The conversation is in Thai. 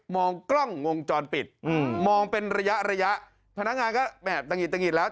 มองกล้องงงจรปิดมองเป็นระยะพนักงานก็ตะงิดตะงิดแล้ว